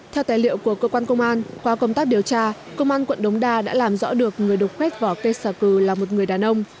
theo tài liệu của cơ quan công an qua công tác điều tra công an quận đống đa đã làm rõ được người độc khuét vỏ cây xà cừ là một người đàn ông